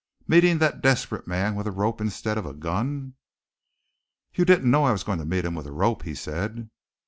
Meeting that desperate man with a rope instead of a gun!" "You didn't know I was going to meet him with a rope," he said.